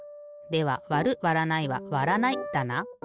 ではわるわらないはわらないだな。